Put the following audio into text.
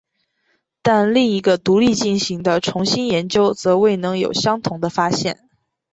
但另一个独立进行的重新研究则未能有相同的发现。